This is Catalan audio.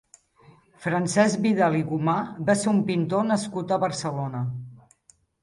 Francesc Vidal i Gomà va ser un pintor nascut a Barcelona.